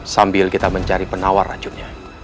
sambil kita mencari penawar racunnya